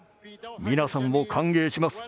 皆さんを歓迎します。